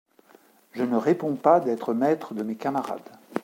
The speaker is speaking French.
Je ne réponds pas d’être maître de mes camarades.